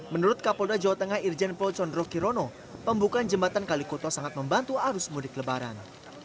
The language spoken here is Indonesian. menurut kapolda jawa tengah irjen pol condro kirono pembukaan jembatan kalikuto sangat membantu arus mudik lebaran